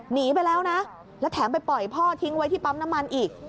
หนีไปแล้วนะแล้วแถมไปปล่อยพ่อทิ้งไว้ที่ปั๊มน้ำมันอีก